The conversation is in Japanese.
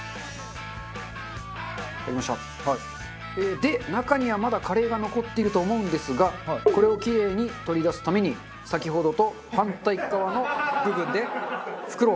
で中にはまだカレーが残ってると思うんですがこれをキレイに取り出すために先ほどと反対側の部分で袋を挟みます。